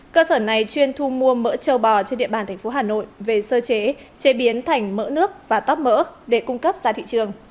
cơ sở này chuyên thu mua mỡ trâu bò trên địa bàn tp hà nội về sơ chế chế biến thành mỡ nước và tóc mỡ để cung cấp ra thị trường